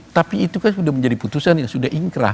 tapi itu kan sudah menjadi putusan yang sudah ingkrah